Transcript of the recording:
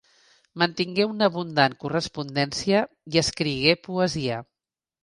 Mantingué una abundant correspondència i escrigué poesia.